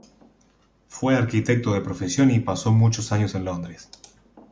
Fue arquitecto de profesión y pasó muchos años en Londres.